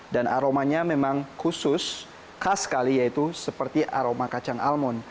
dan aromanya memang khusus khas sekali yaitu seperti aroma kacang almon